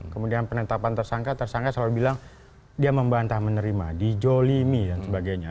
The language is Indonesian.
kemudian penetapan tersangka tersangka selalu bilang dia membantah menerima dijolimi dan sebagainya